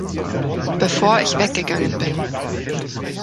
Bevor ich weggegangen bin.